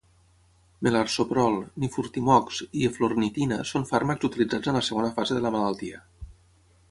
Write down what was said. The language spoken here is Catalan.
Melarsoprol, nifurtimox i eflornitina són fàrmacs utilitzats en la segona fase de la malaltia.